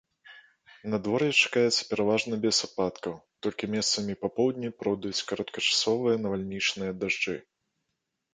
Надвор'е чакаецца пераважна без ападкаў, толькі месцамі па поўдні пройдуць кароткачасовыя навальнічныя дажджы.